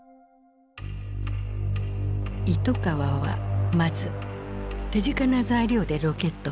糸川はまず手近な材料でロケットをつくった。